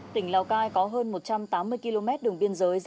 tỉnh lào cai có hơn một trăm tám mươi km đường biên giới